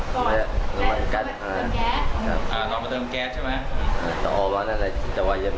ต่อไปเติมแก๊สตอนมาเติมแก๊สใช่ไหม